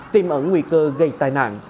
tìm ẩn nguy cơ gây tai nạn